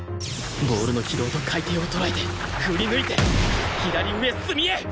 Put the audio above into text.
ボールの軌道と回転を捉えて振り抜いて左上隅へ！